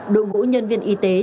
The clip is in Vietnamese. động vũ nhân viên y tế